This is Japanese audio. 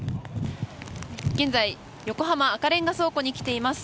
現在横浜赤レンガ倉庫に来ています。